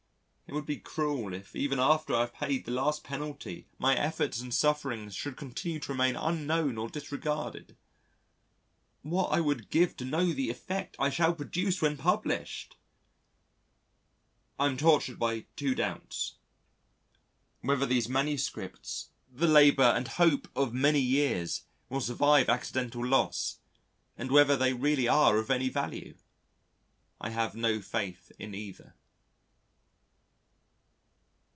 It would be cruel if even after I have paid the last penalty, my efforts and sufferings should continue to remain unknown or disregarded. What I would give to know the effect I shall produce when published! I am tortured by two doubts whether these MSS. (the labour and hope of many years) will survive accidental loss and whether they really are of any value. I have no faith in either.